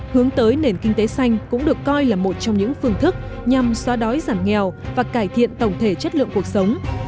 hướng tới nền kinh tế xanh cũng được coi là một trong những phương thức nhằm xóa đói giảm nghèo và cải thiện tổng thể chất lượng cuộc sống